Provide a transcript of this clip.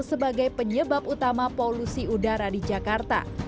sebagai penyebab utama polusi udara di jakarta